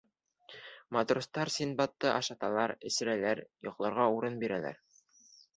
Матростар Синдбадты ашаталар, эсерәләр, йоҡларға урын бирәләр.